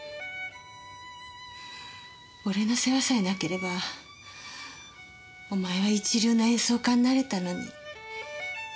「俺の世話さえなければお前は一流の演奏家になれたのに」。